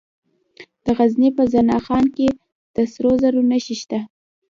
د غزني په زنه خان کې د سرو زرو نښې شته.